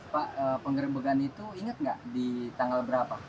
pak penggerebekan itu ingat nggak di tanggal berapa